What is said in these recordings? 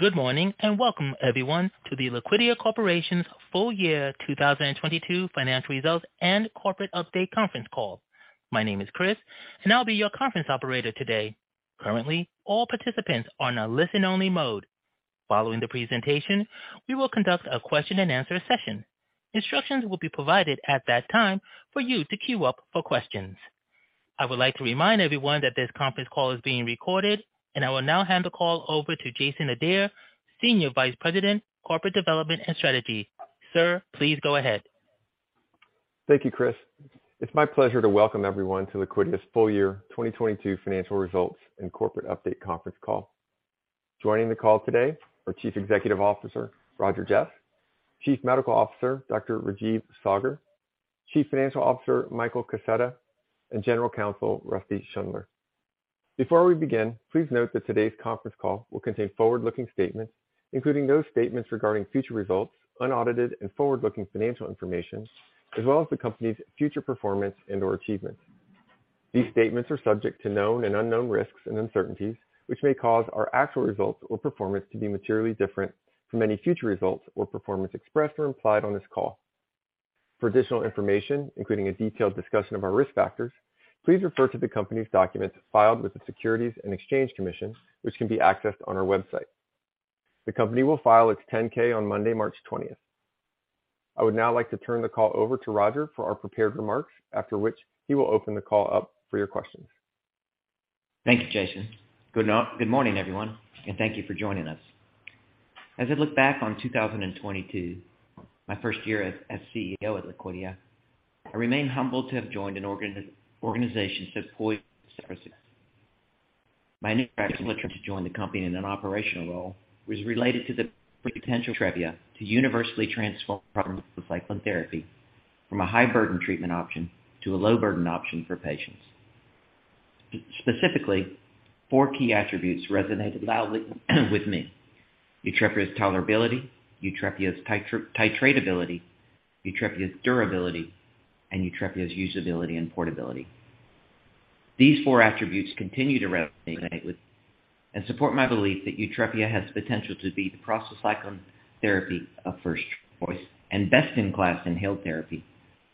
Good morning, and welcome everyone to the Liquidia Corporation's full year 2022 financial results and corporate update conference call. My name is Chris and I'll be your conference operator today. Currently, all participants are in a listen-only mode. Following the presentation, we will conduct a question-and-answer session. Instructions will be provided at that time for you to queue up for questions. I would like to remind everyone that this conference call is being recorded. I will now hand the call over to Jason Adair, Senior Vice President, Corporate Development and Strategy. Sir, please go ahead. Thank you, Chris. It's my pleasure to welcome everyone to Liquidia's full year 2022 financial results and corporate update conference call. Joining the call today are Chief Executive Officer Roger Jeffs, Chief Medical Officer Dr. Rajeev Saggar, Chief Financial Officer Michael Kaseta, and General Counsel Rusty Schundler. Before we begin, please note that today's conference call will contain forward-looking statements, including those statements regarding future results, unaudited and forward-looking financial information, as well as the company's future performance and/or achievements. These statements are subject to known and unknown risks and uncertainties, which may cause our actual results or performance to be materially different from any future results or performance expressed or implied on this call. For additional information, including a detailed discussion of our risk factors, please refer to the company's documents filed with the Securities and Exchange Commission, which can be accessed on our website. The company will file its 10-K on Monday, March 20th. I would now like to turn the call over to Roger for our prepared remarks, after which he will open the call up for your questions. Thank you, Jason. Good morning, everyone, thank you for joining us. As I look back on 2022, my first year as CEO at Liquidia, I remain humbled to have joined an organization so poised for success. My initial attraction to join the company in an operational role was related to the potential of YUTREPIA to universally transform prostacyclin therapy from a high-burden treatment option to a low-burden option for patients. Specifically, four key attributes resonated loudly with me. YUTREPIA's tolerability, YUTREPIA's titratability, YUTREPIA's durability, and YUTREPIA's usability and portability. These four attributes continue to resonate with me and support my belief that YUTREPIA has the potential to be the prostacyclin therapy of first choice and best in class inhaled therapy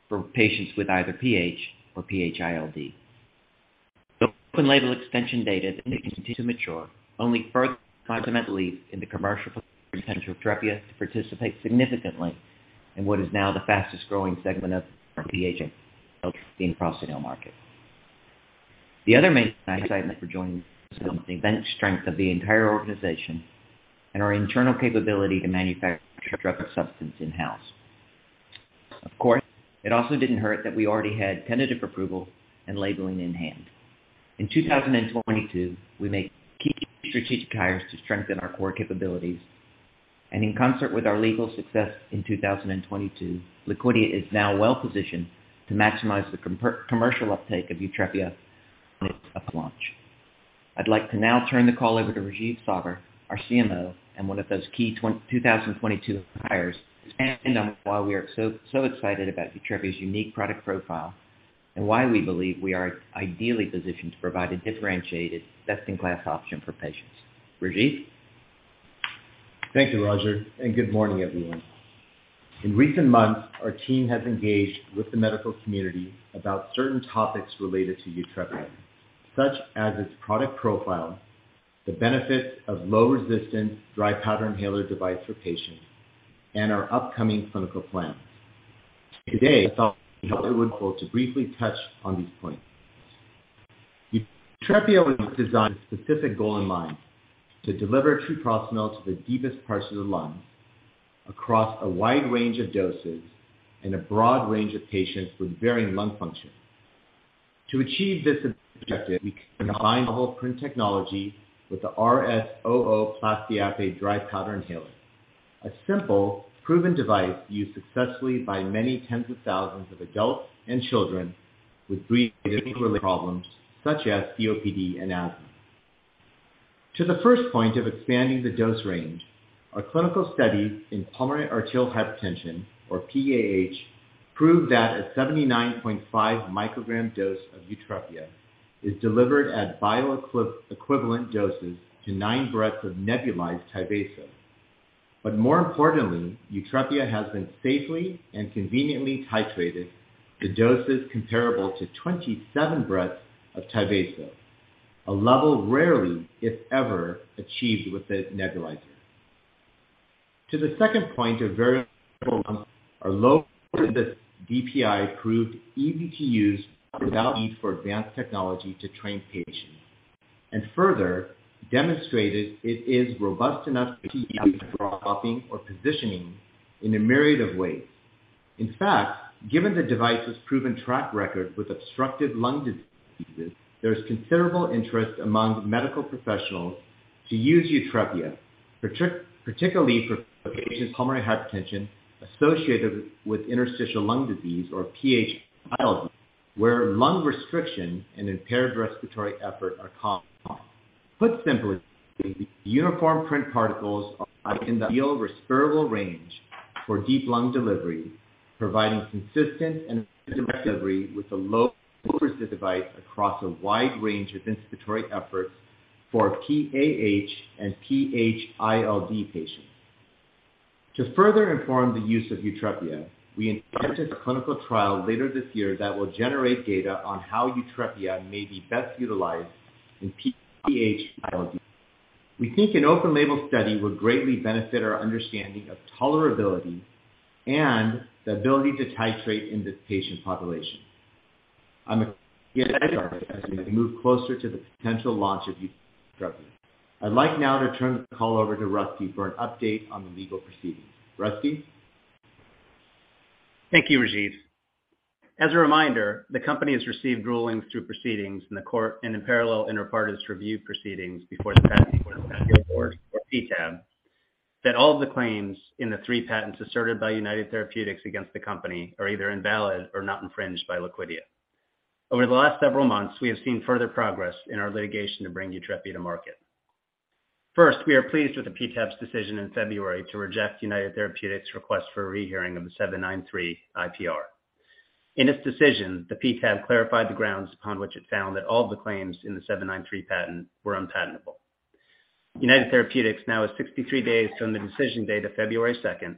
for patients with either PH or PH-ILD. The open-label extension data that continues to mature only further my belief in the commercial potential for YUTREPIA to participate significantly in what is now the fastest growing segment of the PH agent prostacyclin market. The other main excitement for joining the event strength of the entire organization and our internal capability to manufacture drug substance in-house. It also didn't hurt that we already had tentative approval and labeling in hand. In 2022, we made key strategic hires to strengthen our core capabilities. In concert with our legal success in 2022, Liquidia is now well positioned to maximize the commercial uptake of YUTREPIA at launch. I'd like to now turn the call over to Rajeev Saggar, our CMO, and one of those key 2022 hires, to expand on why we are so excited about YUTREPIA's unique product profile and why we believe we are ideally positioned to provide a differentiated best-in-class option for patients. Rajeev. Thank you, Roger, and good morning, everyone. In recent months, our team has engaged with the medical community about certain topics related to YUTREPIA, such as its product profile, the benefits of low resistance dry powder inhaler device for patients, and our upcoming clinical plans. Today, I thought it would be helpful to briefly touch on these points. YUTREPIA was designed with a specific goal in mind: to deliver treprostinil to the deepest parts of the lungs across a wide range of doses and a broad range of patients with varying lung function. To achieve this objective, we combined the PRINT technology with the RS00 Plastiape dry powder inhaler. A simple, proven device used successfully by many tens of thousands of adults and children with breathing-related problems such as COPD and asthma. To the first point of expanding the dose range, our clinical studies in pulmonary arterial hypertension or PAH prove that a 79.5 microgram dose of YUTREPIA is delivered at bioequivalent doses to nine breaths of nebulized Tyvaso. More importantly, YUTREPIA has been safely and conveniently titrated to doses comparable to 27 breaths of Tyvaso, a level rarely, if ever, achieved with a nebulizer. To the second point of very our low DPI proved easy to use without need for advanced technology to train patients, and further demonstrated it is robust enough to be used while coughing or positioning in a myriad of ways. In fact, given the device's proven track record with obstructive lung diseases, there's considerable interest among medical professionals to use YUTREPIA, particularly for patients with pulmonary hypertension associated with interstitial lung disease or PH-ILD, where lung restriction and impaired respiratory effort are common. Put simply, uniform PRINT particles are in the ideal respirable range for deep lung delivery, providing consistent and delivery with a low device across a wide range of inspiratory efforts for PAH and PH-ILD patients. To further inform the use of YUTREPIA, we intend to clinical trial later this year that will generate data on how YUTREPIA may be best utilized in PH-ILD. We think an open-label study will greatly benefit our understanding of tolerability and the ability to titrate in this patient population. I'm excited as we move closer to the potential launch of YUTREPIA. I'd like now to turn the call over to Rusty for an update on the legal proceedings. Rusty? Thank you, Rajeev. As a reminder, the company has received rulings through proceedings in the court and in parallel inter partes review proceedings before the Patent Trial and Appeal Board, or PTAB, that all of the claims in the three patents asserted by United Therapeutics against the company are either invalid or not infringed by Liquidia. Over the last several months, we have seen further progress in our litigation to bring YUTREPIA to market. First, we are pleased with the PTAB's decision in February to reject United Therapeutics request for a rehearing of the '793 IPR. In its decision, the PTAB clarified the grounds upon which it found that all the claims in the '793 patent were unpatentable. United Therapeutics now has 63 days from the decision date of February 2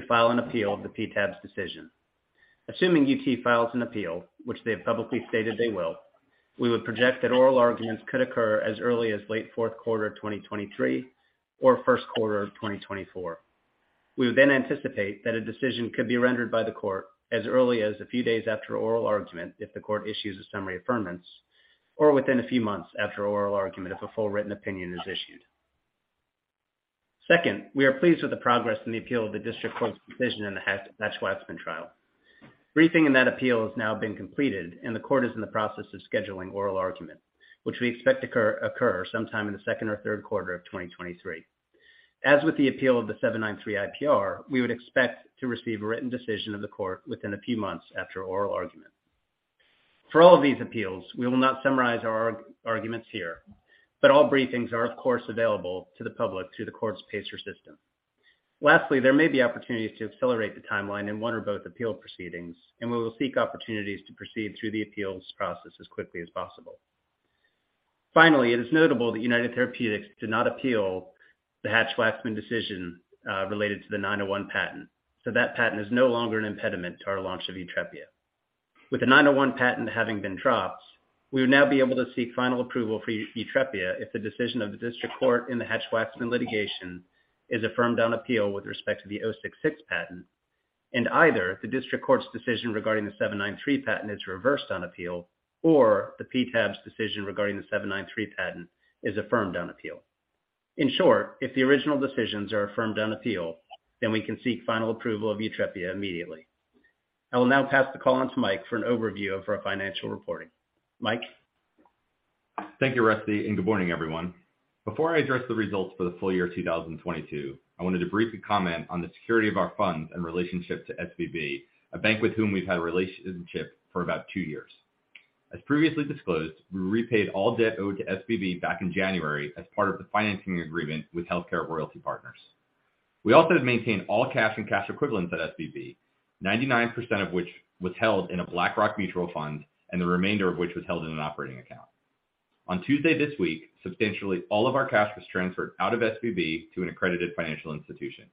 to file an appeal of the PTAB's decision. Assuming UT files an appeal, which they have publicly stated they will, we would project that oral arguments could occur as early as late fourth quarter of 2023 or first quarter of 2024. We would then anticipate that a decision could be rendered by the court as early as a few days after oral argument if the court issues a summary affirmance, or within a few months after oral argument if a full written opinion is issued. Second, we are pleased with the progress in the appeal of the district court's decision in the Hatch-Waxman trial. Briefing in that appeal has now been completed, and the court is in the process of scheduling oral argument, which we expect to occur sometime in the second or third quarter of 2023. As with the appeal of the '793 IPR, we would expect to receive a written decision of the court within a few months after oral argument. All of these appeals, we will not summarize our arguments here, but all briefings are of course available to the public through the court's PACER system. There may be opportunities to accelerate the timeline in one or both appeal proceedings, and we will seek opportunities to proceed through the appeals process as quickly as possible. It is notable that United Therapeutics did not appeal the Hatch-Waxman decision related to the '901 patent, that patent is no longer an impediment to our launch of YUTREPIA. With the '901 patent having been dropped, we would now be able to seek final approval for YUTREPIA if the decision of the district court in the Hatch-Waxman litigation is affirmed on appeal with respect to the '066 patent, and either the district court's decision regarding the '793 patent is reversed on appeal or the PTAB's decision regarding the '793 patent is affirmed on appeal. In short, if the original decisions are affirmed on appeal, then we can seek final approval of YUTREPIA immediately. I will now pass the call on to Mike for an overview of our financial reporting. Mike? Thank you, Rusty. Good morning, everyone. Before I address the results for the full year 2022, I wanted to briefly comment on the security of our funds and relationship to SVB, a bank with whom we've had a relationship for about two years. As previously disclosed, we repaid all debt owed to SVB back in January as part of the financing agreement with HealthCare Royalty Partners. We also have maintained all cash and cash equivalents at SVB, 99% of which was held in a BlackRock mutual fund, and the remainder of which was held in an operating account. On Tuesday this week, substantially all of our cash was transferred out of SVB to an accredited financial institution.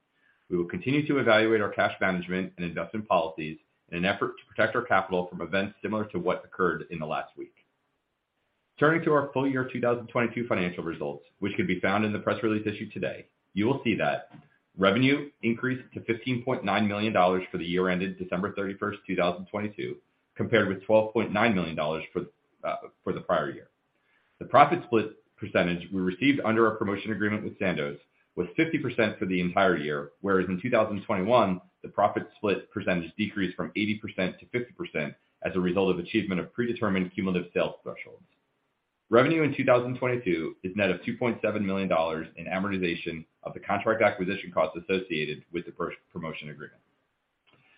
We will continue to evaluate our cash management and investment policies in an effort to protect our capital from events similar to what occurred in the last week. Turning to our full year 2022 financial results, which can be found in the press release issued today, you will see that revenue increased to $15.9 million for the year ended December 31, 2022, compared with $12.9 million for the prior year. The profit split percentage we received under our promotion agreement with Sandoz was 50% for the entire year, whereas in 2021, the profit split percentage decreased from 80%-50% as a result of achievement of predetermined cumulative sales thresholds. Revenue in 2022 is net of $2.7 million in amortization of the contract acquisition costs associated with the pro-promotion agreement.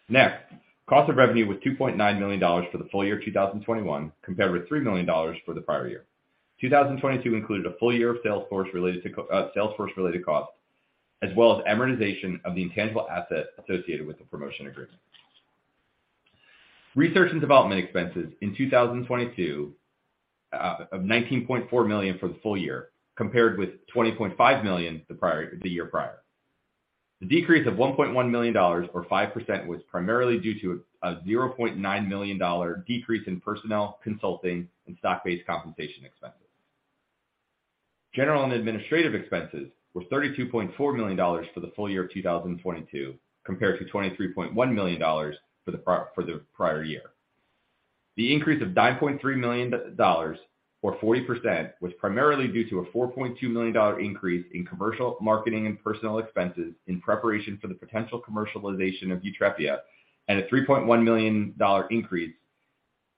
Next, cost of revenue was $2.9 million for the full year 2021, compared with $3 million for the prior year. 2022 included a full year of Salesforce related costs, as well as amortization of the intangible asset associated with the promotion agreement. Research and development expenses in 2022, of $19.4 million for the full year, compared with $20.5 million the year prior. The decrease of $1.1 million or 5% was primarily due to a $0.9 million decrease in personnel, consulting, and stock-based compensation expenses. General and administrative expenses were $32.4 million for the full year of 2022, compared to $23.1 million for the prior year. The increase of $9.3 million, or 40%, was primarily due to a $4.2 million increase in commercial, marketing, and personnel expenses in preparation for the potential commercialization of YUTREPIA and a $3.1 million increase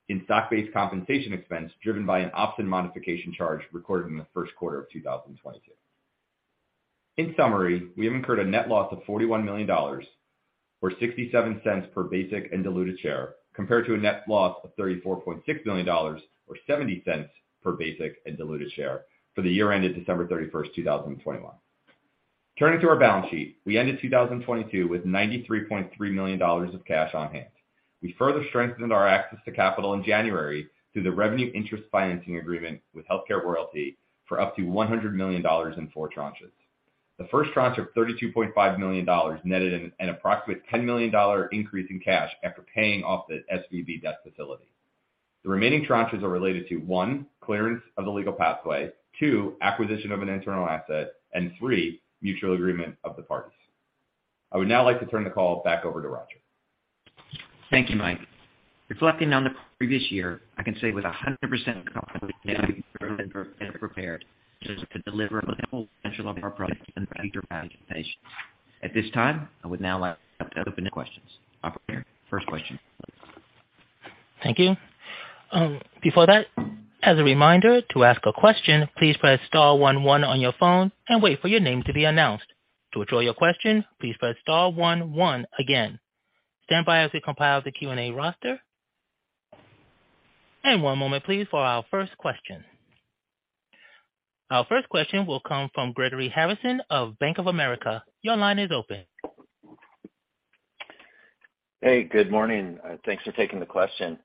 in stock-based compensation expense driven by an option modification charge recorded in the first quarter of 2022. In summary, we have incurred a net loss of $41 million or $0.67 per basic and diluted share, compared to a net loss of $34.6 million or $0.70 per basic and diluted share for the year ended December 31st, 2021. Turning to our balance sheet, we ended 2022 with $93.3 million of cash on hand. We further strengthened our access to capital in January through the revenue interest financing agreement with HealthCare Royalty for up to $100 million in four tranches. The first tranche of $32.5 million netted an approximate $10 million increase in cash after paying off the SVB debt facility. The remaining tranches are related to, one, clearance of the legal pathway, two, acquisition of an internal asset, and three, mutual agreement of the parties. I would now like to turn the call back over to Roger. Thank you, Mike. Reflecting on the previous year, I can say with a 100% confidence that we're prepared to deliver the potential of our product and future patients. At this time, I would now like to open the questions. Operator, first question. Thank you. Before that, as a reminder to ask a question, please press star one one on your phone and wait for your name to be announced. To withdraw your question, please press star one one again. Stand by as we compile the Q&A roster. One moment please for our first question. Our first question will come from Greg Harrison of Bank of America. Your line is open. Hey, good morning. Thanks for taking the question.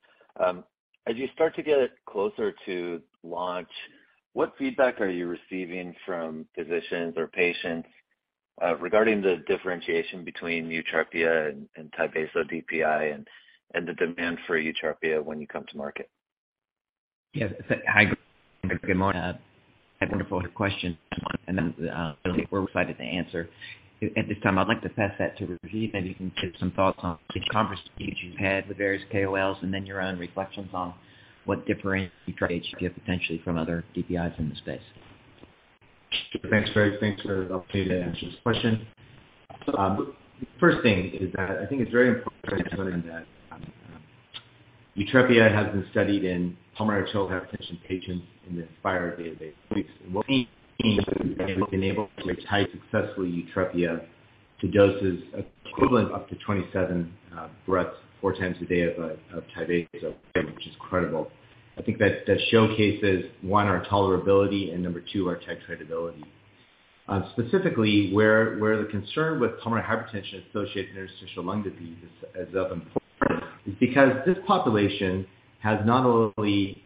As you start to get closer to launch, what feedback are you receiving from physicians or patients, regarding the differentiation between YUTREPIA and Tyvaso DPI and the demand for YUTREPIA when you come to market? Yeah. Hi, good morning. Wonderful question. We're excited to answer. At this time, I'd like to pass that to Rajeev, maybe you can give some thoughts on conversations you've had with various KOLs and then your own reflections on what differentiates YUTREPIA potentially from other DPIs in the space. Thanks, Greg. Thanks for the opportunity to answer this question. First thing is that I think it's very important to understand that YUTREPIA has been studied in pulmonary hypertension patients in the INSPIRE database. We've been able to titrate successfully YUTREPIA to doses equivalent up to 27 breaths 4x a day of Tyvaso, which is incredible. I think that showcases, one, our tolerability, and two, our titratability. Specifically, where the concern with pulmonary hypertension associated with interstitial lung disease is of importance is because this population has not only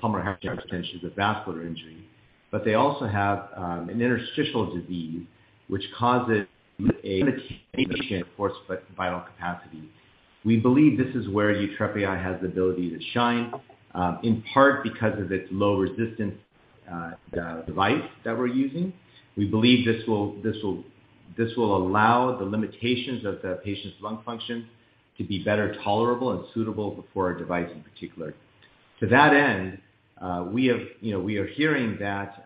pulmonary hypertension as a vascular injury, but they also have an interstitial disease which causes a limitation, of course, but vital capacity. We believe this is where YUTREPIA has the ability to shine, in part because of its low resistance device that we're using. We believe this will allow the limitations of the patient's lung function to be better tolerable and suitable for a device in particular. To that end, you know, we are hearing that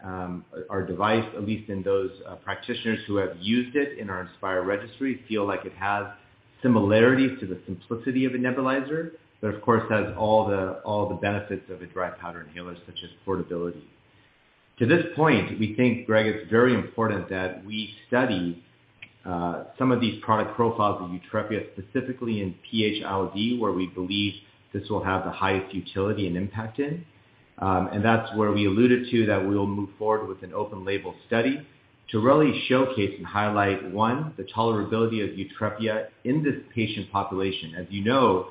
our device, at least in those practitioners who have used it in our INSPIRE registry, feel like it has similarities to the simplicity of a nebulizer, but of course, has all the benefits of a dry powder inhaler, such as portability. To this point, we think, Greg, it's very important that we study some of these product profiles of YUTREPIA, specifically in PH-ILD, where we believe this will have the highest utility and impact in. That's where we alluded to that we will move forward with an open-label study to really showcase and highlight, 1, the tolerability of YUTREPIA in this patient population. As you know,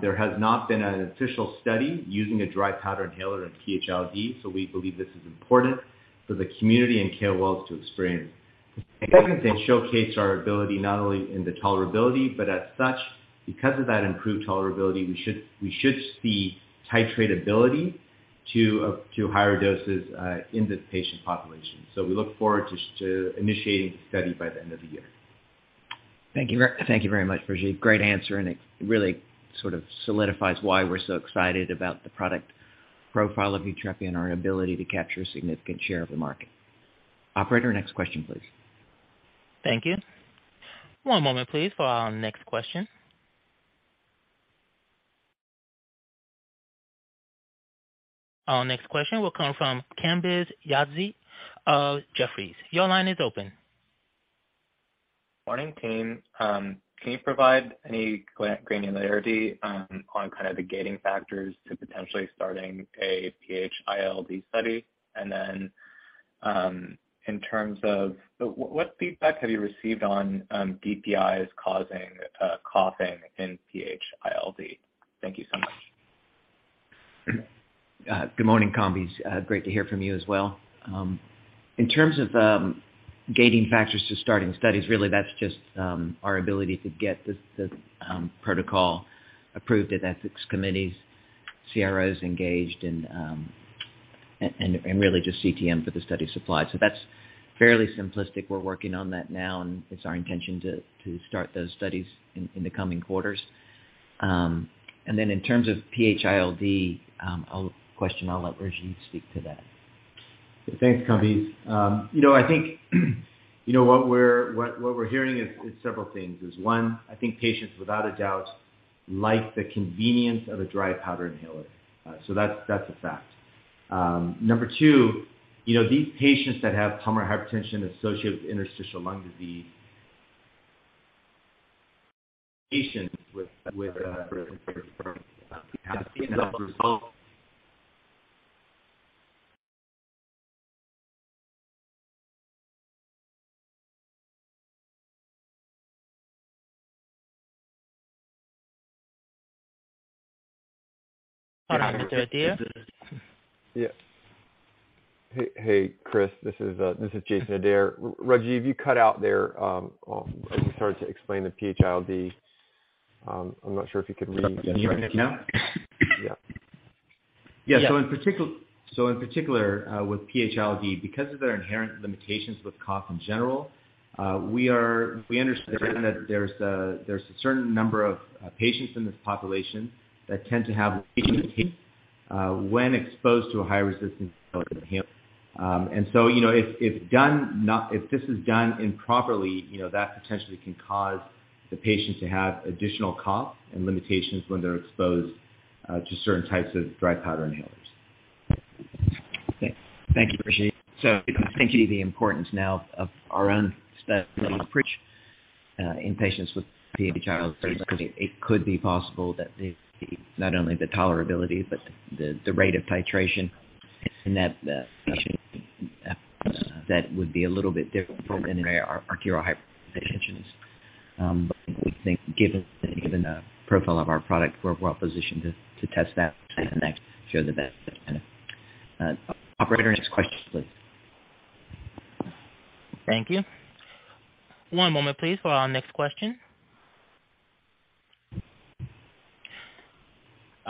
there has not been an official study using a dry powder inhaler in PH-ILD, so we believe this is important for the community and KOLs to experience. Second, to showcase our ability not only in the tolerability, but as such, because of that improved tolerability, we should see titratability to higher doses in this patient population. We look forward to initiating the study by the end of the year. Thank you. Thank you very much, Rajeev. Great answer. It really sort of solidifies why we're so excited about the product profile of YUTREPIA and our ability to capture a significant share of the market. Operator, next question, please. Thank you. One moment, please, for our next question. Our next question will come from Kambiz Yazdi of Jefferies. Your line is open. Morning, team. Can you provide any granularity on kind of the gating factors to potentially starting a PH-ILD study? In terms of what feedback have you received on DPIs causing coughing in PH-ILD? Thank you so much. Good morning, Kambiz. Great to hear from you as well. In terms of gating factors to starting studies, really that's just our ability to get the protocol approved at ethics committees, CROs engaged, and really just CTM for the study supply. That's fairly simplistic. We're working on that now, and it's our intention to start those studies in the coming quarters. In terms of PHILD, I'll let Rajeev speak to that. Thanks, Kambiz. you know, I think, you know, what we're hearing is several things. One, I think patients without a doubt like the convenience of a dry powder inhaler. That's a fact. Two, you know, these patients that have pulmonary hypertension associated with interstitial lung disease patients with. Operator. Yeah. Hey, hey, Chris. This is Jason Adair. Rajeev, you cut out there, as you started to explain the PHILD. I'm not sure if you could repeat? Can you hear me now? Yeah. Yeah. In particular, with PH-ILD, because of their inherent limitations with cough in general, we understand that there's a certain number of patients in this population that tend to have when exposed to a high resistance inhaler. You know, if this is done improperly, you know, that potentially can cause the patient to have additional cough and limitations when they're exposed to certain types of dry powder inhalers. Okay. Thank you, Rajeev. I think the importance now of our own study approach in patients with PHILD, it could be possible that the not only the tolerability, but the rate of titration in that would be a little bit different from our oral hypertension. But we think given the profile of our product, we're well positioned to test that show the best. Operator, next question please. Thank you. One moment please for our next question.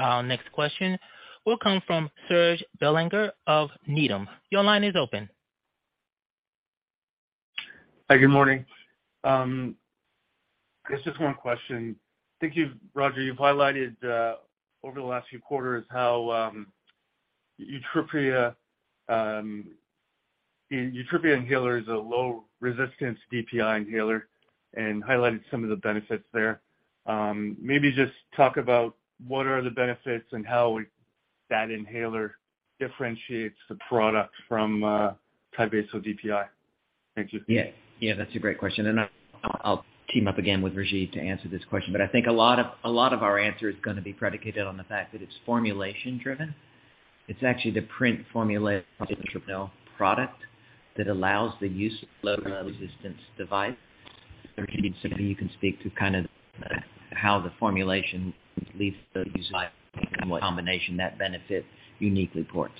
Our next question will come from Serge Belanger of Needham. Your line is open. Hi, good morning. It's just one question. I think Roger, you've highlighted over the last few quarters how YUTREPIA inhaler is a low resistance DPI inhaler and highlighted some of the benefits there. Maybe just talk about what are the benefits and how that inhaler differentiates the product from a Tyvaso DPI. Thank you. Yeah. Yeah, that's a great question. I'll team up again with Rajeev to answer this question. I think a lot of our answer is gonna be predicated on the fact that it's formulation driven. It's actually the PRINT formulation of the YUTREPIA product that allows the use of low resistance device. Rajeev, maybe you can speak to kind of the, how the formulation leads to the use of device and what combination that benefit uniquely ports.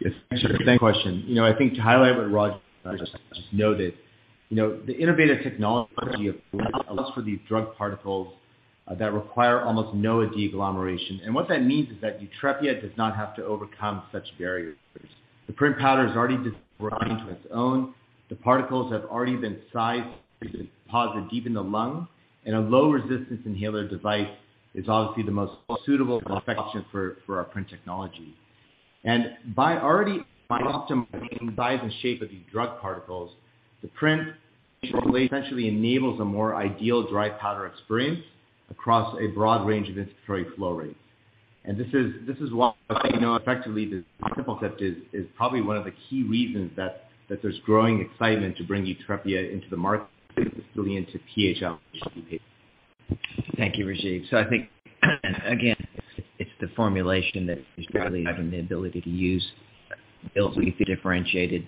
Yes. Thanks for that question. You know, I think to highlight what Roger just noted. You know, the innovative technology allows for these drug particles that require almost no deagglomeration. What that means is that YUTREPIA does not have to overcome such barriers. The PRINT powder is already disaggregated to its own. The particles have already been sized to deposit deep in the lung, and a low resistance inhaler device is obviously the most suitable perfection for our PRINT technology. By already optimizing size and shape of these drug particles, the PRINT formulation essentially enables a more ideal dry powder experience across a broad range of inspiratory flow rates. This is why, you know, effectively, this principle set is probably one of the key reasons that there's growing excitement to bring YUTREPIA into the market, particularly into PHI. Thank you, Rajeev. I think, again, it's the formulation that is really having the ability to use. It'll be differentiated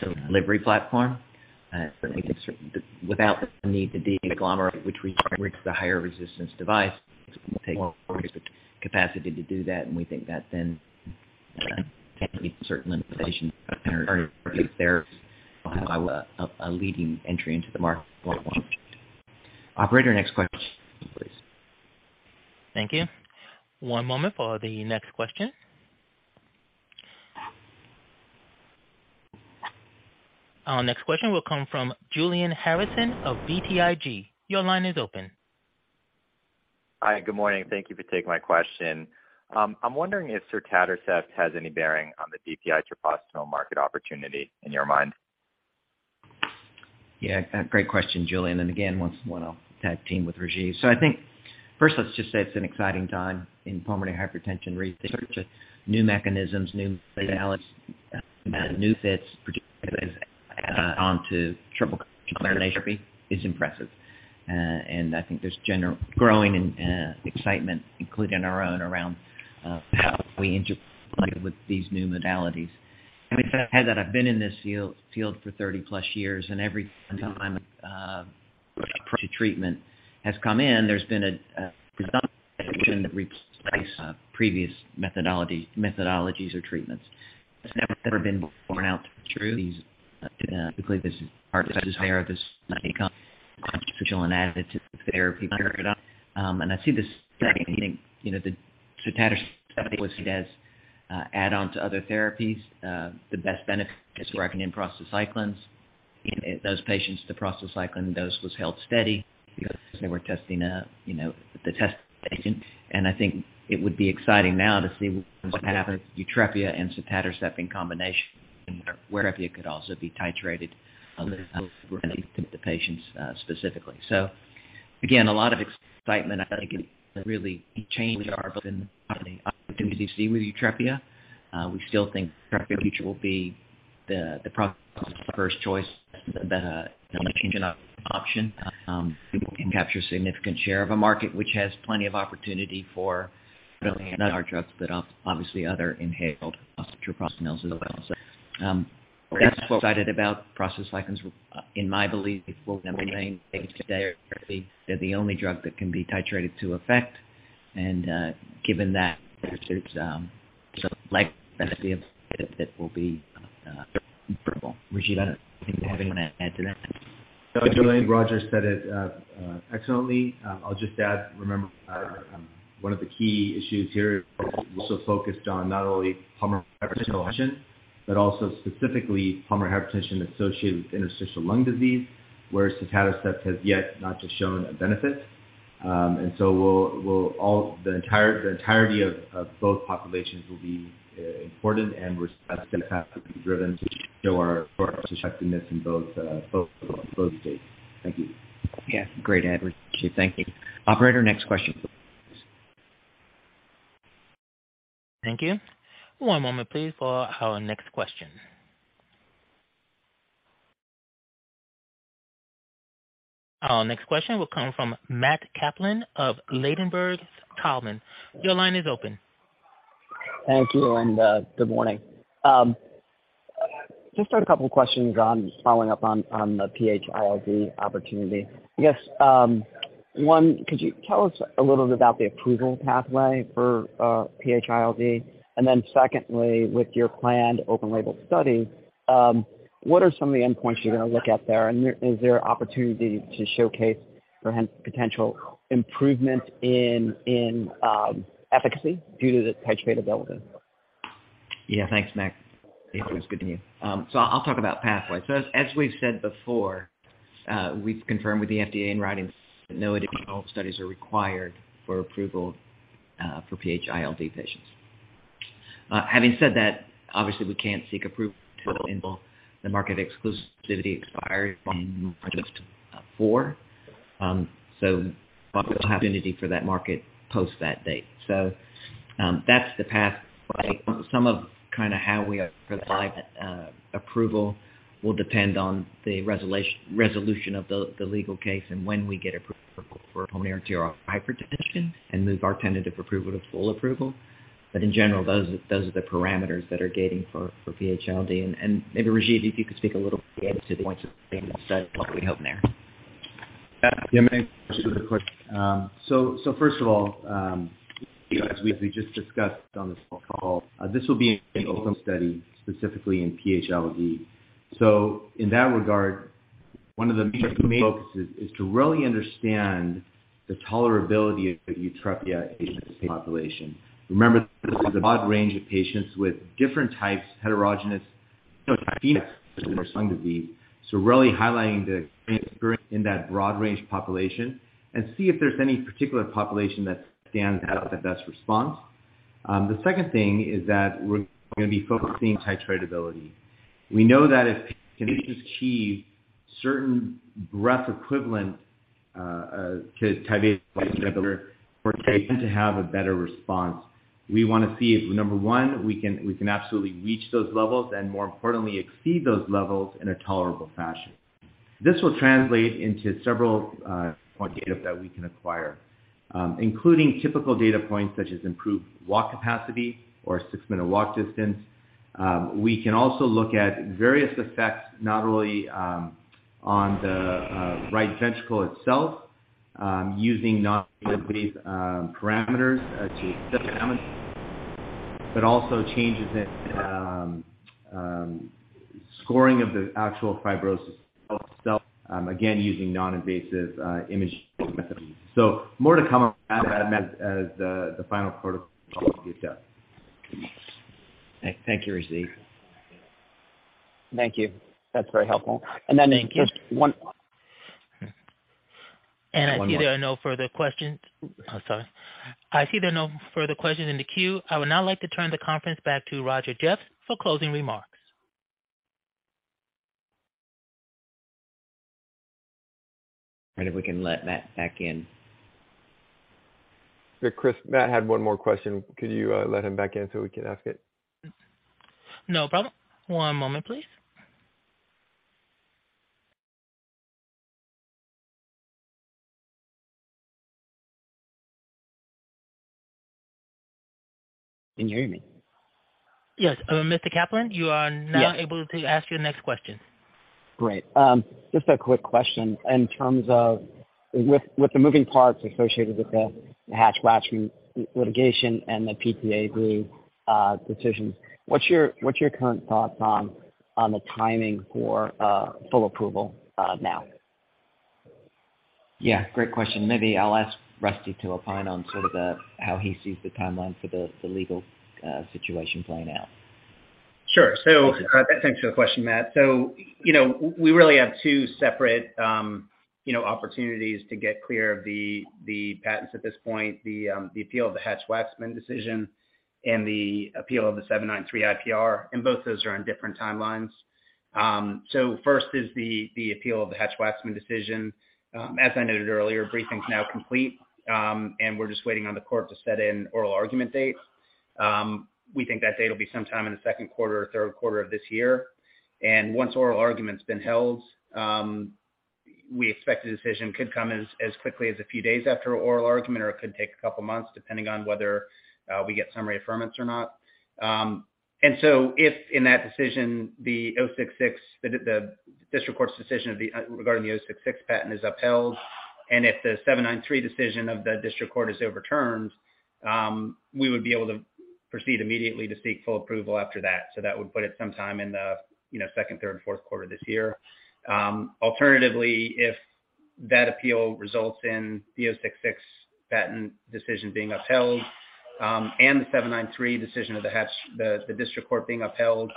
to delivery platform. Certainly without the need to deagglomerate, which requires the higher resistance device, it's going to take more capacity to do that. We think that then can meet certain limitations there, a leading entry into the market. Operator, next question please. Thank you. One moment for the next question. Our next question will come from Julian Harrison of BTIG. Your line is open. Hi, good morning. Thank Thank you for taking my question. I'm wondering if sotatercept has any bearing on the DPI treprostinil market opportunity in your mind. Yeah. Great question, Julian. Again, once more I'll tag team with Rajeev. I think first let's just say it's an exciting time in pulmonary hypertension research. New mechanisms, new modalities, new fits, particularly onto triple combination therapy is impressive. I think there's growing excitement, including our own around how we interplay with these new modalities. Having said that, I've been in this field for 30+ years, and every time approach to treatment has come in, there's been a presumption that it should replace previous methodologies or treatments. It's never, ever been borne out through these, including this part says here, this might become consequential and added to therapy. I see this study being, you know, the sotatercept was seen as add-on to other therapies. The best benefit is working in prostacyclins. In those patients, the prostacyclin dose was held steady because they were testing a, you know, the test patient. I think it would be exciting now to see what happens with YUTREPIA and sotatercept in combination, where YUTREPIA could also be titrated with the patients specifically. Again, a lot of excitement. I feel like it really changed our opinion of the opportunities we see with YUTREPIA. We still think YUTREPIA future will be the first choice that, the option, people can capture significant share of a market which has plenty of opportunity for really another drug, but obviously other inhaled prostacyclins as well. That's what excited about process licenses. In my belief, it will remain today. They're the only drug that can be titrated to effect. Given that there's like recipe of it will be terrible. Rajeev, do you have anything to add to that? No. I believe Roger said it excellently. I'll just add. Remember, one of the key issues here is also focused on not only pulmonary hypertension, but also specifically pulmonary hypertension associated with interstitial lung disease, where sotatercept has yet not just shown a benefit. The entirety of both populations will be important, and that's going to have to be driven to show our effectiveness in both stages. Thank you. Great, Edward. Thank you. Operator, next question. Thank you. One moment please for our next question. Our next question will come from Matt Kaplan of Ladenburg Thalmann. Your line is open. Thank you. Good morning. Just a couple of questions on following up on the PH-ILD opportunity. I guess, one, could you tell us a little bit about the approval pathway for PH-ILD? Secondly, with your planned open label study, what are some of the endpoints you're going to look at there? Is there opportunity to showcase perhaps potential improvement in efficacy due to the titratability? Thanks, Matt. It's good to hear. I'll talk about pathways. As we've said before, we've confirmed with the FDA in writing that no additional studies are required for approval for PH-ILD patients. Having said that, obviously we can't seek approval until the market exclusivity expires in just four. Opportunity for that market post that date. That's the pathway. Some of kind of how we apply that, approval will depend on the resolution of the legal case and when we get approval for pulmonary arterial hypertension and move our tentative approval to full approval. In general, those are the parameters that are gating for PH-ILD. Maybe, Rajiv, if you could speak a little bit to the points of what we hope there. Yeah. Thanks for the question. First of all, as we just discussed on this call, this will be an open study specifically in PH-ILD. In that regard, one of the main focuses is to really understand the tolerability of YUTREPIA patient population. Remember, this is a broad range of patients with different types, heterogeneous phenotypes, lung disease. Really highlighting the experience in that broad range population and see if there's any particular population that stands out with the best response. The second thing is that we're going to be focusing titratability. We know that if patients achieve certain breath equivalent to titrate to have a better response. We want to see if, number one, we can absolutely reach those levels and more importantly, exceed those levels in a tolerable fashion. This will translate into several quantitative that we can acquire, including typical data points such as improved walk capacity or 6-minute walk distance. We can also look at various effects not only on the right ventricle itself, using non-invasive parameters to but also changes in scoring of the actual fibrosis itself, again, using non-invasive imaging methods. More to come as the final protocol gets up. Thank you, Rajeev. Thank you. That's very helpful. just one-. I see there are no further questions. Sorry. I see there are no further questions in the queue. I would now like to turn the conference back to Roger Jeffs for closing remarks. If we can let Matt back in. Chris, Matt had one more question. Could you let him back in so he can ask it? No problem. One moment, please. Can you hear me? Yes. Mr. Kaplan, you are now able to ask your next question. Great. Just a quick question. In terms of with the moving parts associated with the Hatch-Waxman litigation and the PPA group, decisions, what's your current thoughts on the timing for full approval now? Yeah, great question. Maybe I'll ask Rusty to opine on sort of how he sees the timeline for the legal situation playing out. Sure. Thanks for the question, Matt. You know, we really have two separate, you know, opportunities to get clear of the patents at this point, the appeal of the Hatch-Waxman decision and the appeal of the 793 IPR. Both those are on different timelines. First is the appeal of the Hatch-Waxman decision. As I noted earlier, briefing's now complete, and we're just waiting on the court to set in oral argument dates. We think that date will be sometime in the second quarter or third quarter of this year. Once oral argument's been held, we expect the decision could come as quickly as a few days after oral argument or it could take a couple of months, depending on whether we get summary affirmance or not. If in that decision, the '066, the district court's decision regarding the '066 patent is upheld, and if the '793 decision of the district court is overturned, we would be able to proceed immediately to seek full approval after that. That would put it sometime in the, you know, second, third, and fourth quarter this year. Alternatively, if that appeal results in the '066 patent decision being upheld, and the '793 decision of the Hatch-Waxman, the district court being upheld,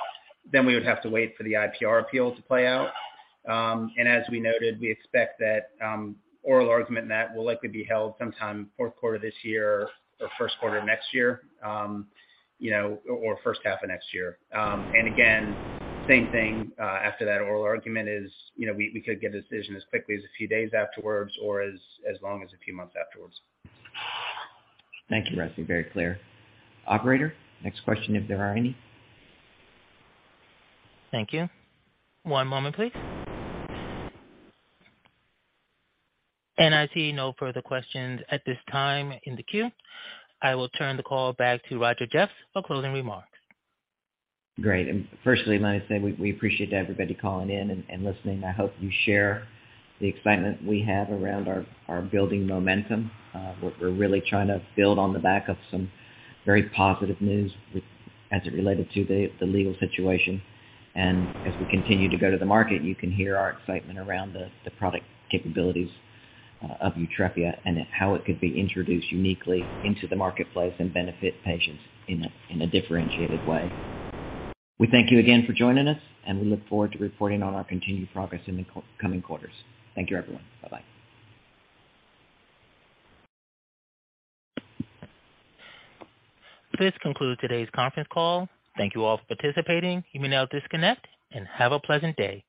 then we would have to wait for the IPR appeal to play out. As we noted, we expect that oral argument in that will likely be held sometime fourth quarter this year or first quarter next year, you know, or first half of next year. Again, same thing, after that oral argument is, you know, we could get a decision as quickly as a few days afterwards or as long as a few months afterwards. Thank you, Rusty. Very clear. Operator, next question if there are any. Thank you. One moment please. I see no further questions at this time in the queue. I will turn the call back to Roger Jeffs for closing remarks. Great. Firstly, let me say we appreciate everybody calling in and listening. I hope you share the excitement we have around our building momentum. We're really trying to build on the back of some very positive news with, as it related to the legal situation. As we continue to go to the market, you can hear our excitement around the product capabilities of YUTREPIA and how it could be introduced uniquely into the marketplace and benefit patients in a differentiated way. We thank you again for joining us, and we look forward to reporting on our continued progress in the coming quarters. Thank you, everyone. Bye-bye. This concludes today's conference call. Thank you all for participating. You may now disconnect and have a pleasant day.